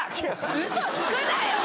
ウソつくなよ！